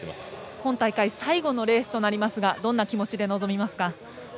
今大会最後のレースとなりますがどんな気持ちで臨みますか。